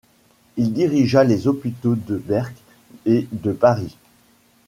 Il dirigea les hôpitaux de Berck et de Paris.